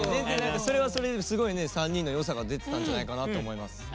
全然何かそれはそれですごいね３人の良さが出てたんじゃないかなと思います。